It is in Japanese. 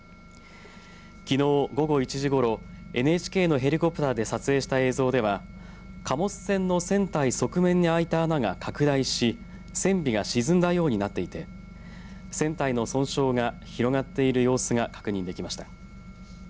きのう午後１時ごろＮＨＫのヘリコプターで撮影した映像では貨物船の船体側面に空いた穴が拡大し船尾が沈んだようになっていて船体の損傷が広がっている様子が確認できました。